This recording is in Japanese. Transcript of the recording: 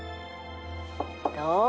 どう？